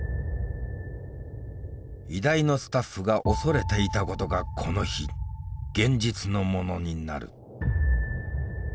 医大のスタッフが恐れていたことがこの日現実のものになる。